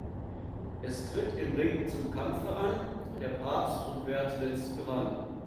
Es tritt im Ring zum Kampfe an: Der Papst und wer zuletzt gewann.